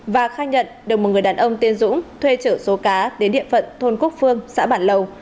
và khai nhận được một người đàn ông tiên dũng thuê chở số cá đến địa phận thôn quốc phương xã bản lầu